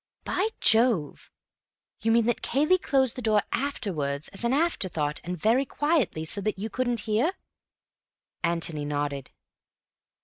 "By Jove! You mean that Cayley closed the door afterwards as an afterthought—and very quietly—so that you couldn't hear?" Antony nodded.